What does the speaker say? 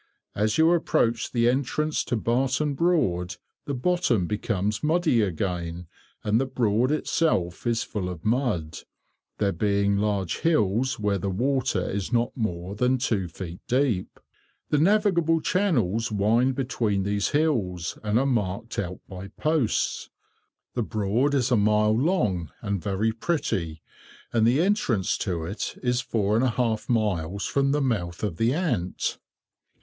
As you approach the entrance to Barton Broad, the bottom becomes muddy again, and the Broad itself is full of mud; there being large "hills" where the water is not more than two feet deep. The navigable channels wind between these hills, and are marked out by posts. The Broad is a mile long, and very pretty, and the entrance to it is four and a half miles from the mouth of the Ant.